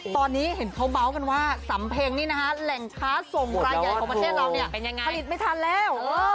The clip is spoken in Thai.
ตอนนี้เห็นเขาเบาะกันว่าสำเพ็งแหล่งค้าส่งรายใหญ่ของประเทศเราผลิตไม่ทันแล้ว